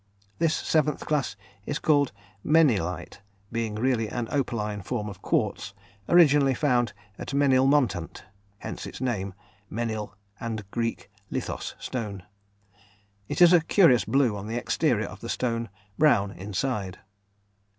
This seventh class is called "menilite," being really an opaline form of quartz, originally found at Menilmontant, hence its name (Menil, and Greek lithos, stone). It is a curious blue on the exterior of the stone, brown inside.